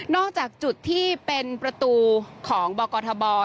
นอกจากจุดที่เป็นประตูของบากอร์ตธับอล